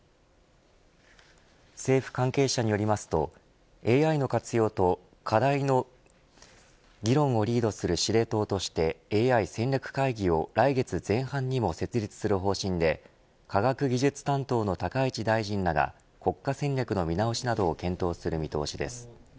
政府関係者によりますとＡＩの活用と課題の議論をリードする司令塔としてＡＩ戦略会議を来月前半には設立する方針で科学技術担当の高市大臣らが国家戦略の見直しなどを検討する見通しです。